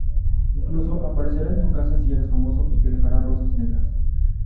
Incluso aparecerá en tu casa si eres famoso, y te dejará rosas negras.